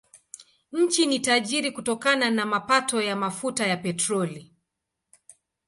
Nchi ni tajiri kutokana na mapato ya mafuta ya petroli.